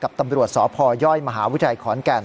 กับตำรวจสพยมหาวิทยาขอนแก่น